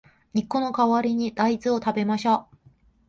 肉の代わりに大豆を食べましょう